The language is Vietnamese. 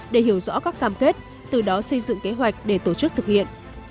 để hiểu rõ các cam kết từ đó xây dựng kế hoạch để tổ chức thực hiện